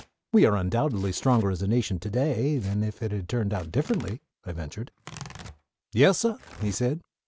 "We are undoubtedly stronger as a nation to day than if it had turned out differently," I ventured. "Yes, suh," he said.